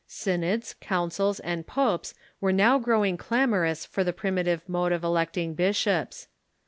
Synods, councils, and popes were now growing clamorous for the prim itive mode of electing bishops.